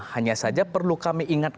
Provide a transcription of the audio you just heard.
hanya saja perlu kami ingat